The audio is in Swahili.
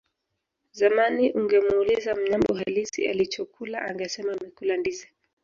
Zamani ungemuuliza Mnyambo halisi alichokula angesema amekula ndizi